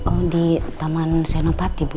oh di taman senopati bu